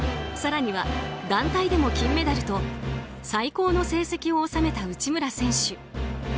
更には団体でも金メダルと最高の成績を収めた内村選手。